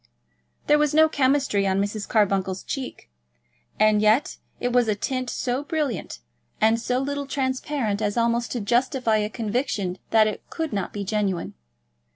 There was no chemistry on Mrs. Carbuncle's cheek; and yet it was a tint so brilliant and so little transparent, as almost to justify a conviction that it could not be genuine.